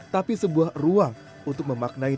tapi sebuah ruang untuk memaknai